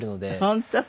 本当？